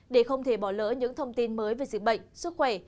để không thể bỏ lỡ những thông tin mới về dịch bệnh sức khỏe